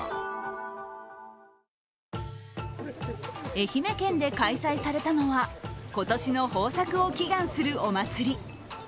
愛媛県で開催されたのは今年の豊作を祈願するお祭り。